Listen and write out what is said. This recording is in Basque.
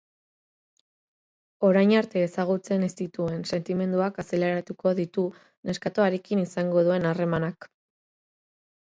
Orain arte ezagutzen ez zituen sentimenduak azaleratuko ditu neskatoarekin izango duen harremanak.